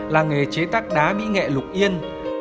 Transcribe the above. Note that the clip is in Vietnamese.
làng nghề chế tác đá mỹ nghệ lục yên